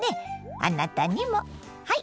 あなたにもはい。